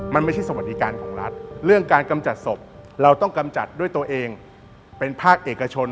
มันไม่ใช่สวัสดิการของรัฐเรื่องการกำจัดศพเราต้องกำจัดด้วยตัวเองเป็นภาคเอกชน